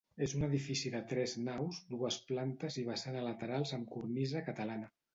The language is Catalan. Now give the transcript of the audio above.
És un edifici de tres naus, dues plantes i vessant a laterals amb cornisa catalana.